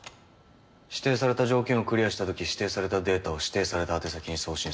指定された条件をクリアした時指定されたデータを指定された宛先に送信する。